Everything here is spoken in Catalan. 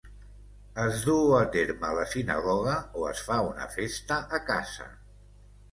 Es duu a terme a la sinagoga o es fa una festa a casa.